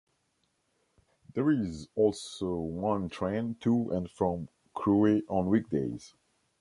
There is also one train to and from Crewe on weekdays.